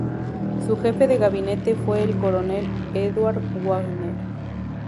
Su jefe de gabinete fue el coronel Eduard Wagner.